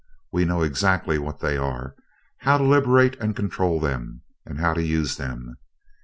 We know exactly what they are, how to liberate and control them, and how to use them.